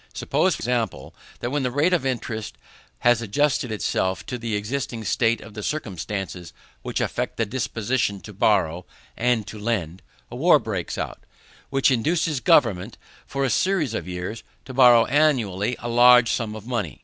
Suppose, for example, that when the rate of interest has adjusted itself to the existing state of the circumstances which affect the disposition to borrow and to lend, a war breaks out, which induces government, for a series of years, to borrow annually a large sum of money.